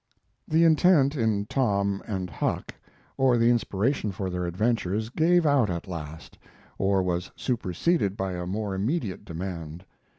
The interest in Tom and Huck, or the inspiration for their adventures, gave out at last, or was superseded by a more immediate demand.